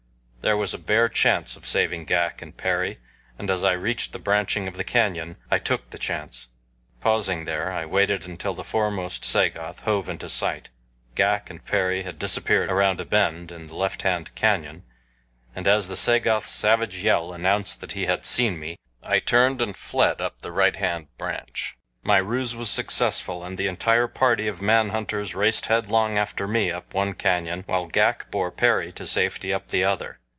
There was a bare chance of saving Ghak and Perry, and as I reached the branching of the canyon I took the chance. Pausing there I waited until the foremost Sagoth hove into sight. Ghak and Perry had disappeared around a bend in the left hand canyon, and as the Sagoth's savage yell announced that he had seen me I turned and fled up the right hand branch. My ruse was successful, and the entire party of man hunters raced headlong after me up one canyon while Ghak bore Perry to safety up the other.